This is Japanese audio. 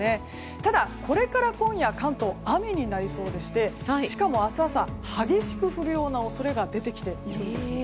ただ、これから今夜関東は雨になりそうでしてしかも、明日朝激しく降る恐れが出てきているんです。